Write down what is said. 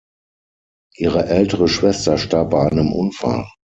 Ihre ältere Schwester starb bei einem Unfall.